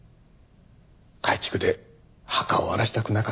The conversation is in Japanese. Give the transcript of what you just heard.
改築で墓を荒らしたくなかった。